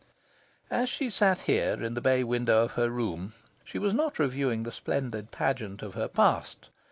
As she sat here in the bay window of her room, she was not reviewing the splendid pageant of her past.